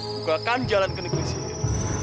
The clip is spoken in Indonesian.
buka kan jalan ke negeri sihir